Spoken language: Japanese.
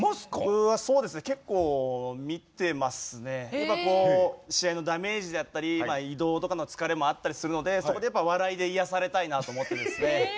やっぱこう試合のダメージだったり移動とかの疲れもあったりするのでそこでやっぱ笑いで癒やされたいなと思ってですね。